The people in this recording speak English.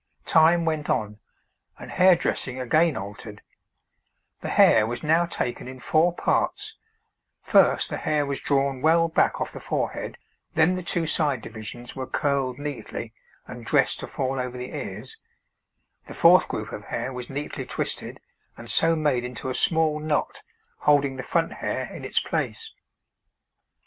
Time went on, and hair dressing again altered; the hair was now taken in four parts: first the hair was drawn well back off the forehead, then the two side divisions were curled neatly and dressed to fall over the ears, the fourth group of hair was neatly twisted and so made into a small knot holding the front hair in its place.